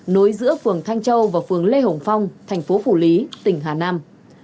nối giữa phường thanh châu và phường lê hồng phong thành phố phủ lý tỉnh hà nam